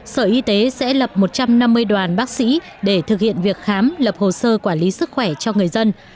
sở y tế sẽ lập một trăm năm mươi đoàn bác sĩ để thực hiện việc khám lập hồ sơ quản lý sức khỏe cho người dân